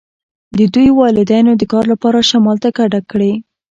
د دوی والدینو د کار لپاره شمال ته کډه کړې